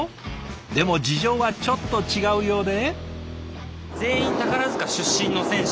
でも事情はちょっと違うようで。